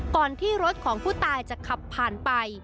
ก่อนที่รถของผู้ตายจะขับผ่านไป